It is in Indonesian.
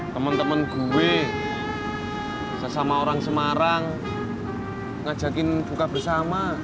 teman teman gue sesama orang semarang ngajakin buka bersama